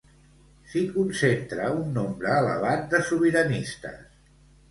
S'hi concentra un nombre elevat de sobiranistes.